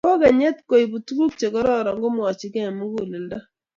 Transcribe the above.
Kokenyet koibu tuguk che kororon kimwochkei eng muguleldo